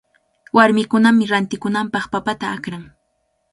Warmikunami rantikunanpaq papata akran.